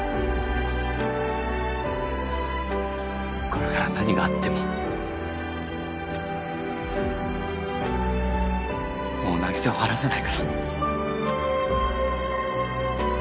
これから何があってももう凪沙を離さないから。